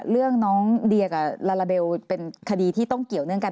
เรื่องน้องเดียกับลาลาเบลเป็นคดีที่ต้องเกี่ยวเนื่องกัน